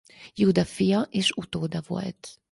Júda fia és utóda volt.